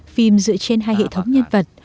phim dựa trên hai hệ thống nhân vật